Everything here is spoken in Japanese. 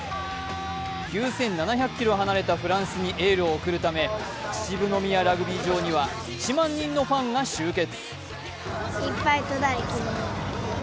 ９７００ｋｍ離れたフランスにエールを送るため秩父宮ラグビー場には１万人のファンが集結。